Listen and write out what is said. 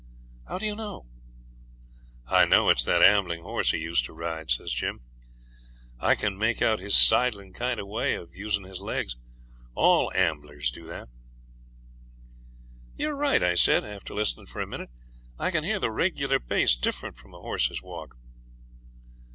'How do you know?' 'I know it's that ambling horse he used to ride,' says Jim. 'I can make out his sideling kind of way of using his legs. All amblers do that.' 'You're right,' I said, after listening for a minute. 'I can hear the regular pace, different from a horse's walk.'